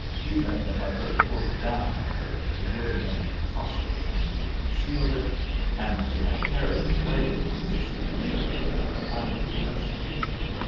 Even if I could have pulled it down, however, it would have been impossible for me to have concealed it, and to have carried it away with me as a souvenir would have been out of the question.